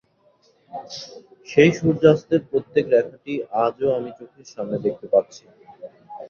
সেই সূর্যাস্তের প্রত্যেক রেখাটি আজও আমি চোখের সামনে দেখতে পাচ্ছি।